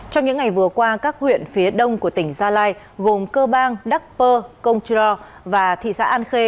trong những ngày vừa qua các huyện phía đông của tỉnh gia lai gồm cơ bang đắc pơ công tru và thị xã an khê